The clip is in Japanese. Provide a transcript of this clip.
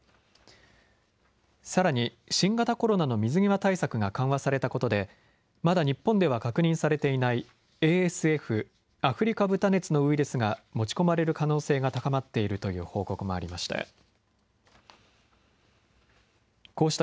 さらに、新型コロナの水際対策が緩和されたことで、まだ日本では確認されていないＡＳＦ・アフリカ豚熱のウイルスが持ち込まれる可能性が高まっているという報告もありました。